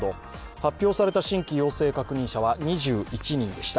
発表された新規陽性確認者は２１人でした。